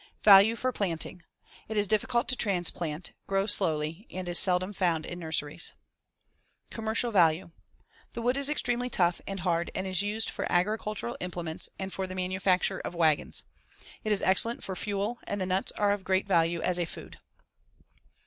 Value for planting: It is difficult to transplant, grows slowly and is seldom found in nurseries. [Illustration: FIG. 67. Bud of the Shagbark Hickory.] Commercial value: The wood is extremely tough and hard and is used for agricultural implements and for the manufacture of wagons. It is excellent for fuel and the nuts are of great value as a food.